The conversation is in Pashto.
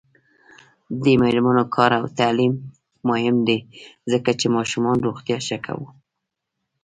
د میرمنو کار او تعلیم مهم دی ځکه چې ماشومانو روغتیا ښه کو.